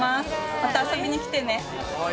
また遊びに来てね。